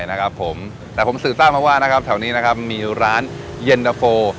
เราจะสืบสร้างมาว่านะครับแถวนี้นะครับมีร้านยเนฟโฟ